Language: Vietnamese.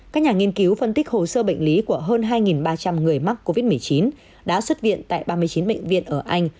các nhà nghiên cứu phân tích hồ sơ bệnh lý của hơn hai ba trăm linh người mắc covid một mươi chín đã xuất viện tại ba mươi chín bệnh viện ở anh